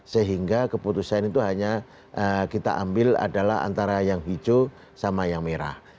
sehingga keputusan itu hanya kita ambil adalah antara yang hijau sama yang merah